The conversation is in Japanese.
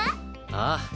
ああ。